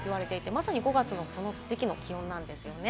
まさにこの時期の気温なんですね。